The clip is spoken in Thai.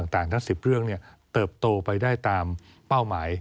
ทั้ง๑๐เรื่องเติบโตไปได้ตามเป้าหมาย